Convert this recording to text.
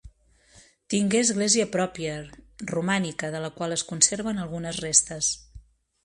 Tingué església pròpia, romànica, de la qual es conserven algunes restes.